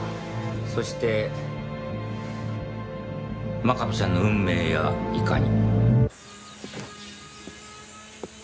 そして真壁ちゃんの運命やいかに。